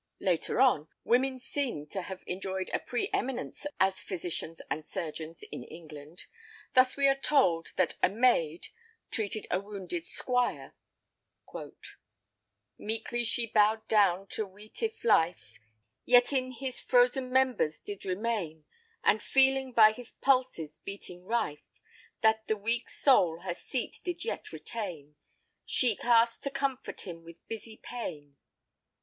Later on women seem to have enjoyed a pre eminence as physicians and surgeons in England. Thus are we told that a "Mayd" treated a wounded "Squyre," Meekely shee bowed downe, to weete if life Yett in his frosen members did remaine; And, feeling by his pulses beating rife That the weake sowle her seat did yett retaine, Shee cast to comfort him with busy paine.